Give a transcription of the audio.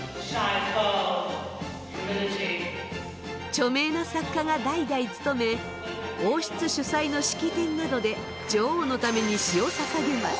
著名な作家が代々務め王室主催の式典などで女王のために詩をささげます。